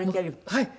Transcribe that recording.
はい。